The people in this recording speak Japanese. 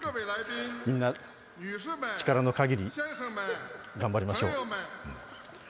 みんな、力の限り頑張りましょう。